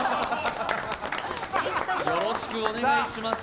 よろしくお願いします。